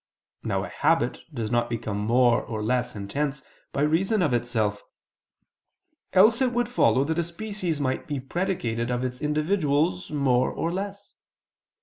Now a habit does not become more or less intense by reason of itself; else it would follow that a species might be predicated of its individuals more or less.